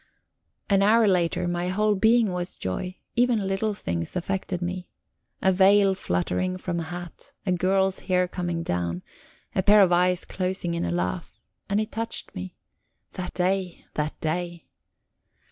An hour later, my whole being was joy; even little things affected me. A veil fluttering from a hat, a girl's hair coming down, a pair of eyes closing in a laugh and it touched me. That day, that day!